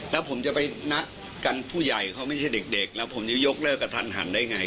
แล้วผมจะไปนัดกันผู้ใหญ่เขาไม่ใช่เด็กแล้วผมจะยกเลิกกับทันหันได้ไง